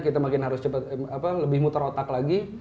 kita makin harus cepat lebih muter otak lagi